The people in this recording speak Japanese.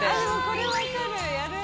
これわかる。